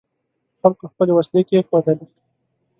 خلکو خپلې وسلې کېښودلې.